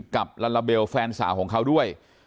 ลาลาเบลแฟนสาวของเขาด้วย